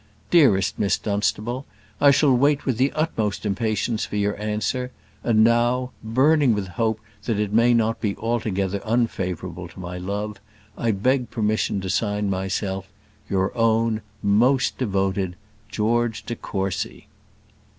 Dearest Miss Dunstable, I shall wait with the utmost impatience for your answer; and now, burning with hope that it may not be altogether unfavourable to my love, I beg permission to sign myself Your own most devoted, GEORGE DE COURCY.